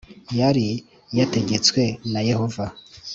Yari yategetswe na yehova